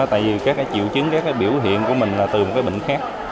tại vì các triệu chứng các biểu hiện của mình là từ một bệnh khác